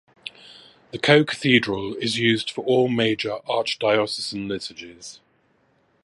The co-cathedral is used for all major archdiocesan liturgies.